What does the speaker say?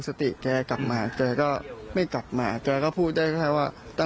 ไม่อยากให้แม่เป็นอะไรไปแล้วนอนร้องไห้แท่ทุกคืน